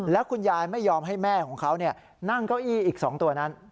แล้วคุณยายไม่ยอมให้แม่ของเขานั่งเก้าอี้อีก๒ตัวนั้น